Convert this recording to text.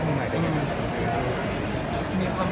มีโครงการทุกทีใช่ไหม